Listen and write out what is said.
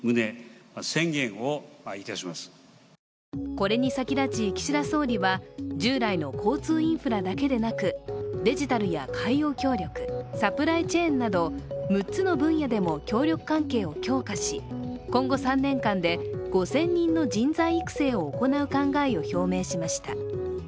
これに先立ち岸田総理は従来の交通インフラだけでなくデジタルや海洋協力、サプライチェーンなど６つの分野でも協力関係を強化し今後３年間で５０００人の人材育成を行う考えを表明しました。